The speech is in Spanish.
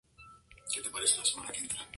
Página oficial de Barón Rojo